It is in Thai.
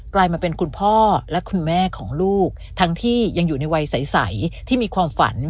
ลายมาเป็นคุณพ่อและคุณแม่ของลูกทั้งที่ยังอยู่ในวัยใสที่มีความฝัน